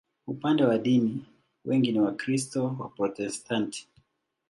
Upande wa dini, wengi ni Wakristo Waprotestanti.